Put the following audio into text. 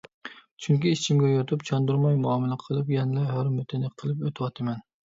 چۈنكى ئىچىمگە يۇتۇپ، چاندۇرماي مۇئامىلە قىلىپ، يەنىلا ھۆرمىتىنى قىلىپ ئۆتۈۋاتىمەن.